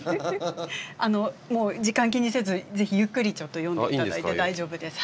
あのもう時間気にせずぜひゆっくりちょっと読んでいただいて大丈夫です。